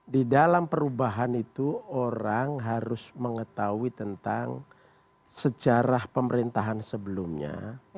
di dalam perubahan itu orang harus mengetahui tentang sejarah pemerintahan sebelumnya